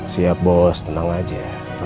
siap bos tenang aja